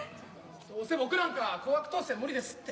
どうせ僕なんか高額当選無理ですって。